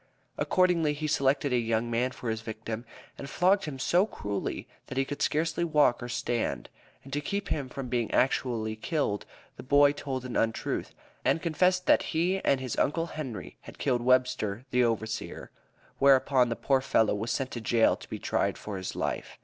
Accordingly, he selected a young slave man for his victim, and flogged him so cruelly that he could scarcely walk or stand, and to keep from being actually killed, the boy told an untruth, and confessed that he and his Uncle Henry killed Webster, the overseer; whereupon the poor fellow was sent to jail to be tried for his life."